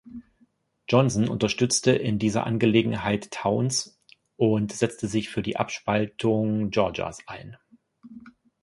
Johnson unterstützte in dieser Angelegenheit Towns und setzte sich für die Abspaltung Georgias ein.